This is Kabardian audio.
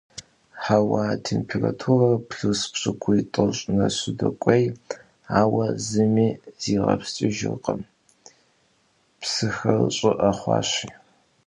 Хьэуа температурэр плюс пщӏыкӏуй–тӏощӏ нэсу докӀуей, ауэ зыми зигъэпскӀыжыркъым, псыхэр щӀыӀэ хъуащи.